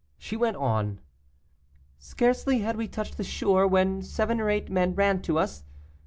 She went on: "Scarcely had we touched the shore, when seven or eight men ran to us.